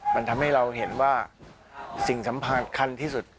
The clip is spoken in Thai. มันทำให้เราเห็นว่าสิ่งสำคัญที่สุด